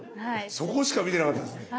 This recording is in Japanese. そこしか見てなかったですね。